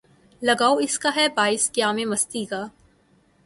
لگاؤ اس کا ہے باعث قیامِ مستی کا